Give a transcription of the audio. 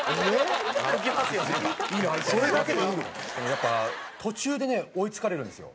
やっぱ途中でね追いつかれるんですよ。